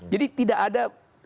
jadi tidak ada